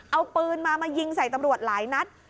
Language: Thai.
เอาปืนมามายิงใส่ตำรวจหลายนัด